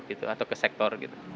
itu atau ke sektor gitu